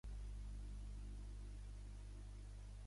Va ser l'efecte principal en l'accident industrial de Seveso.